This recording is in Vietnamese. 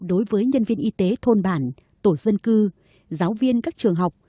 đối với nhân viên y tế thôn bản tổ dân cư giáo viên các trường học